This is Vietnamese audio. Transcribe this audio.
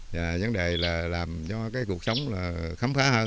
vấn đề là làm cho cuộc sống khám phá hơn